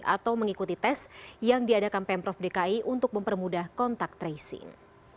atau mengikuti tes yang diadakan pemprov dki untuk mempermudah kontak tracing